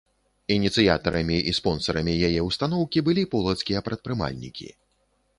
Ініцыятарамі і спонсарамі яе ўстаноўкі былі полацкія прадпрымальнікі.